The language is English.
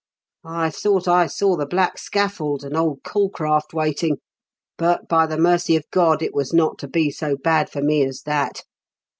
I thought I saw the black scaffold, and old Calcraft waiting; but, by the mercy of God, it was not to be so bad for me as that.